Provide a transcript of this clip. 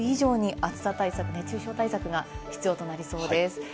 今日以上に暑さ対策、熱中症対策が必要となりそうです。